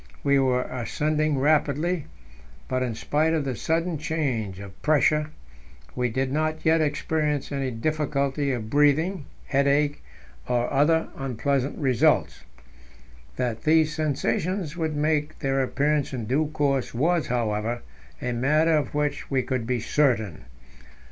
We were ascending rapidly, but, in spite of the sudden change of pressure, we did not yet experience any difficulty of breathing, headache, or other unpleasant results. That these sensations would make their appearance in due course was, however, a matter of which we could be certain.